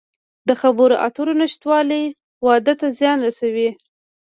د خبرو اترو نشتوالی واده ته زیان رسوي.